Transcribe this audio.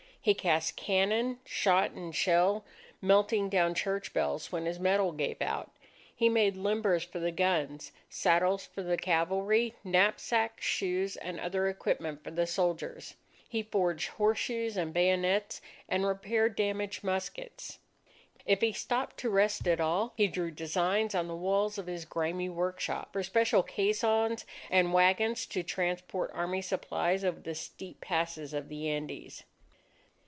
He cast cannon, shot, and shell, melting down church bells when his metal gave out. He made limbers for the guns, saddles for the cavalry, knapsacks, shoes, and other equipment for the soldiers. He forged horseshoes and bayonets and repaired damaged muskets. If he stopped to rest at all, he drew designs on the walls of his grimy workshop, for special caissons and wagons to transport army supplies over the steep passes of the Andes.